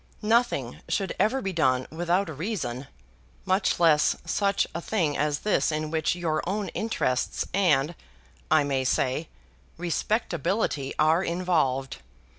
Nothing should ever be done without a reason; much less such a thing as this in which your own interests and, I may say, respectability are involved.